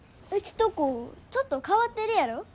うちとこちょっと変わってるやろ。